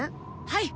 はい！